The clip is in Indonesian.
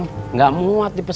gak muat dipesan